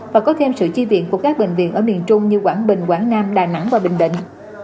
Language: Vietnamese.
và có thêm sự chi viện của các bệnh viện ở miền trung như quảng bình quảng nam đà nẵng và bình định